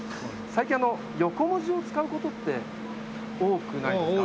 最近横文字を使う事って多くないですか？